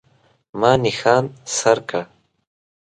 ما نښان سر کړ.